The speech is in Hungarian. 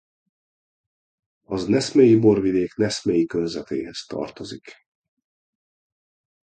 Az Neszmélyi borvidék Neszmélyi körzetéhez tartozik.